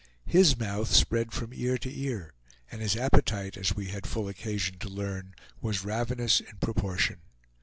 His mouth spread from ear to ear, and his appetite, as we had full occasion to learn, was ravenous in proportion.